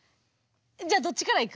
じゃあどっちからいく？